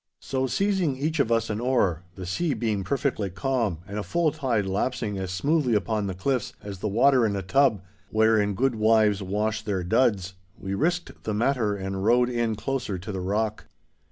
So seizing each of us an oar, the sea being perfectly calm and a full tide lapsing as smoothly upon the cliffs as the water in a tub wherein good wives wash their duds, we risked the matter and rowed in closer to the rock.